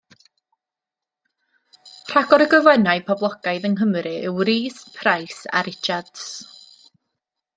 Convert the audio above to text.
Rhagor o gyfenwau poblogaidd yng Nghymru yw Rees, Price a Richards.